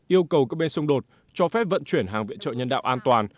yêu cầu các bên xung đột cho phép vận chuyển hàng viện trợ nhân đạo an toàn